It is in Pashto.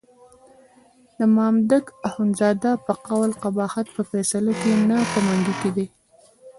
د مامدک اخندزاده په قول قباحت په فیصله کې نه په منګي کې دی.